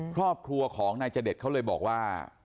ครอบครัวของนายจเดชเขาเลยบอกว่า